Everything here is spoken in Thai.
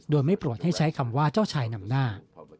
โดยไม่โปรดให้ใช้คำว่าเจ้าชายนำหน้า